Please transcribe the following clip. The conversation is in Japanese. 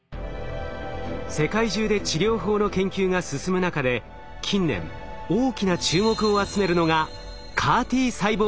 世界中で治療法の研究が進む中で近年大きな注目を集めるのがＣＡＲ−Ｔ細胞。